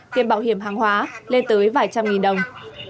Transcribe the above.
tiền bảo hiểm hàng hóa lên tới vài trăm nghìn đồng